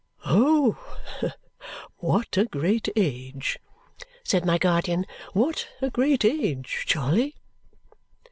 "Oh! What a great age," said my guardian. "What a great age, Charley!"